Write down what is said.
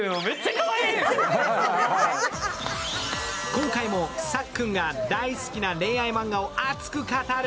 今回もさっくんが大好きな恋愛マンガを熱く語る。